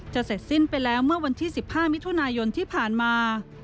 เสร็จสิ้นไปแล้วเมื่อวันที่๑๕มิถุนายนที่ผ่านมา